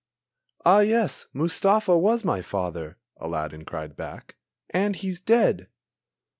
"Ah, yes, Mustafa was my father," Aladdin cried back, "and he's dead!"